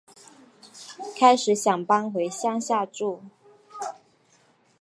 开始想搬回乡下住